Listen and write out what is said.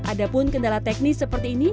ada pun kendala teknis seperti ini